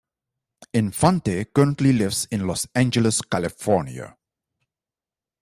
Infante currently lives in Los Angeles, California.